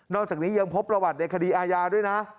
อกจากนี้ยังพบประวัติในคดีอาญาด้วยนะ